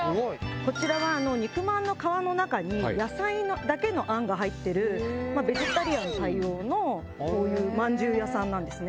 こちらは肉まんの皮の中に野菜だけの餡が入ってるベジタリアン対応のこういう饅頭屋さんなんですね。